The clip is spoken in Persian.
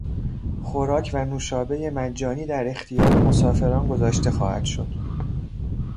خوراک و نوشابهی مجانی در اختیار مسافران گذاشته خواهد شد.